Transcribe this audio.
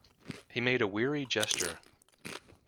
He made a weary gesture.